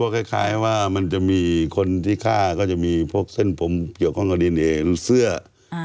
คล้ายว่ามันจะมีคนที่ฆ่าก็จะมีพวกเส้นผมเกี่ยวข้องกับดินเอเสื้อ